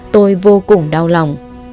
tôi vô cùng đau lòng